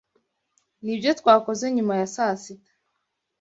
Nibyo twakoze nyuma ya sasita.